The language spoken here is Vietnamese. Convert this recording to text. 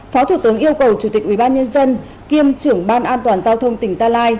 phó thủ tướng yêu cầu chủ tịch ủy ban nhân dân kiêm trưởng ban an toàn giao thông tỉnh gia lai